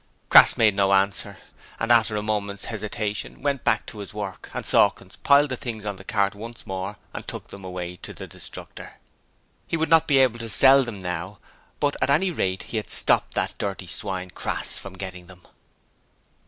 Crass made no answer and, after a moment's hesitation, went back to his work, and Sawkins piled the things on the cart once more and took them away to the Destructor. He would not be able to sell them now, but at any rate he had stopped that dirty swine Crass from getting them.